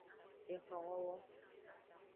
Exlonwowo.